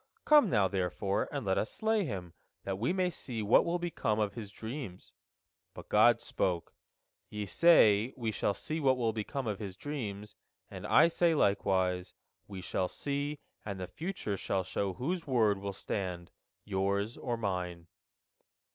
Come now, therefore, and let us slay him, that we may see what will become of his dreams." But God spoke: "Ye say, We shall see what will become of his dreams, and I say likewise, We shall see, and the future shall show whose word will stand, yours or Mine."